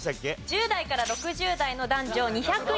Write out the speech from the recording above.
１０代から６０代の男女２００人です。